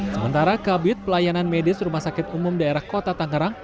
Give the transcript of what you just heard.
sementara kabit pelayanan medis rumah sakit umum daerah kota tangerang